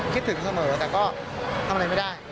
คิดถึงเสมอแต่ก็ทำอะไรไม่ได้